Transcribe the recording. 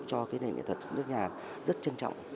cho cái nền nghệ thuật nước nhà rất trân trọng